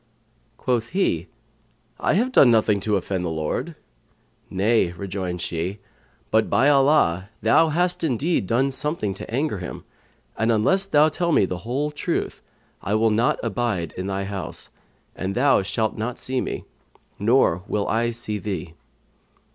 Quoth he, "I have done nothing to offend the Lord." "Nay," rejoined she, "but, by Allah, thou hast indeed done something to anger Him; and unless thou tell me the whole truth, I will not abide in thy house, and thou shalt not see me, nor will I see thee."